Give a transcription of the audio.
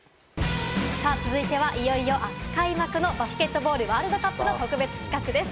続いては、あすいよいよ開幕のバスケットボールワールドカップの特別企画です。